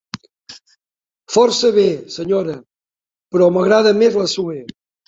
Força bé, senyora; però m'agrada més la Sue.